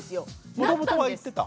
もともとは言ってた？